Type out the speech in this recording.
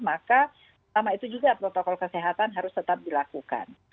maka sama itu juga protokol kesehatan harus tetap dilakukan